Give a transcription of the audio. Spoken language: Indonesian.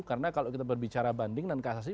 karena kalau kita berbicara banding dan kasasi